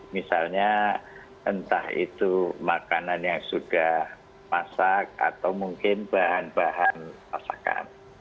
misalnya entah itu makanan yang sudah masak atau mungkin bahan bahan masakan